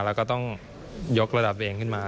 แล้วก็ต้องยกระดับตัวเองขึ้นมา